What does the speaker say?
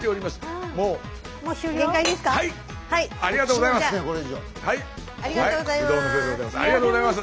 ありがとうございます。